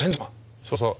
そうそう。